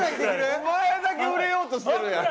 お前だけ売れようとしてるやん。